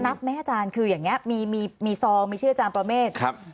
นับแม่จารย์คืออย่างนี้มีมีมีซองมันชื่อจำกร้ำเมส